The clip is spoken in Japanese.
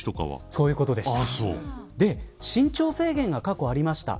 そういうことでした。